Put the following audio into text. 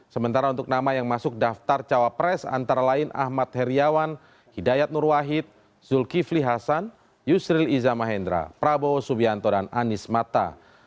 sementara untuk nama yang masuk daftar cawapres antara lain ahmad heriawan hidayat nurwahid zulkifli hasan yusril iza mahendra prabowo subianto dan anies mata